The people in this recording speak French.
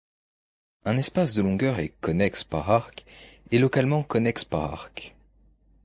Un espace de longueur est connexe par arcs et localement connexe par arcs.